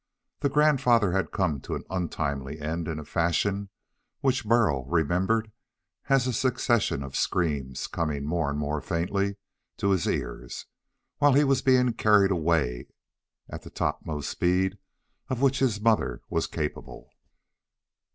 The grandfather had come to an untimely end in a fashion which Burl remembered as a succession of screams coming more and more faintly to his ears, while he was being carried away at the topmost speed of which his mother was capable.